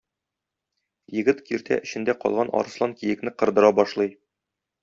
Егет киртә эчендә калган арыслан-киекне кырдыра башлый.